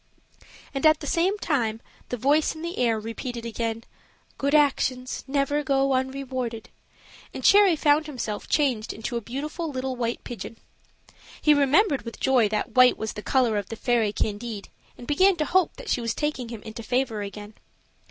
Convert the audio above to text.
And at the same time the voice in the air repeated again, "Good actions never go unrewarded;" and Cherry found himself changed into a beautiful little white pigeon. He remembered with joy that white was the color of the fairy Candide, and began to hope that she was taking him into favor again.